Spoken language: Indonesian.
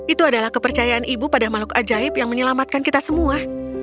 itu adalah kepercayaan ibu pada makhluk ajaib yang menyelamatkan kita semua